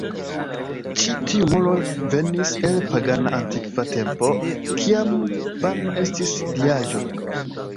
Ĉi tiu moro venis el pagana antikva tempo, kiam pano estis diaĵo.